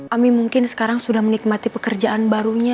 ami mungkin sekarang sudah menikmati pekerjaan barunya